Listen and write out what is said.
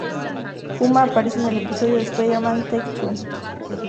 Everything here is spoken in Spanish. Puma aparece en el episodio de Spider-Man ""Take Two"".